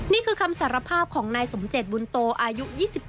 นี่คือคำสารภาพของนายสมเจตบุญโตอายุ๒๗